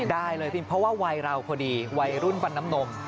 ได้เลยเพราะว่าวัยเราพอดีวัยรุ่นฟันน้ำนม